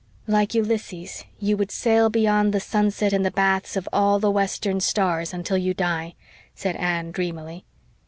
"Like Ulysses, you would 'Sail beyond the sunset and the baths Of all the western stars until you die,'" said Anne dreamily.